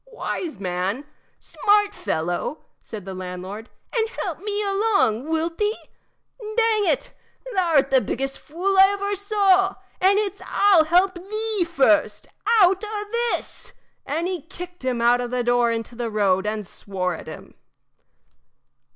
"Wise man! smart fellow!" said the landlord, "and help me along, wilt thee? Dang it! thou 'rt the biggest fool I ever saw, and it's I'll help thee first out o' this!" And he kicked him out of the door into the road and swore at him.